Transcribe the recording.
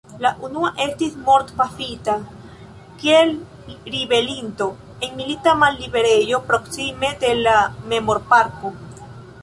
La unua estis mortpafita kiel ribelinto en milita malliberejo proksime de la memorparko.